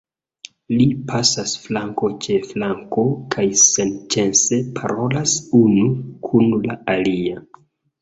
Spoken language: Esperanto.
Ili pasas flanko ĉe flanko kaj senĉese parolas unu kun la alia.